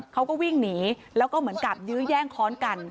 เขาก็วิ่งหนีแล้วก็เหมือนกับยื้อแย่งค้อนกัน